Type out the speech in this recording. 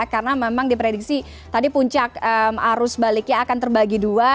karena memang diprediksi tadi puncak arus baliknya akan terbagi dua